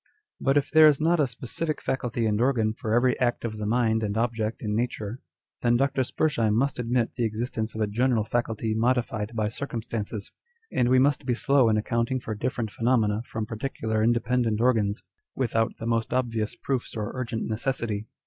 But if there is not a specific faculty and organ for every act of the mind and object in nature, then Dr. Spurzheim must admit the existence of a general faculty modified by circumstances, and we must be slow in accounting for different phenomena from particular independent organs, without the most obvious proofs or urgent necessity.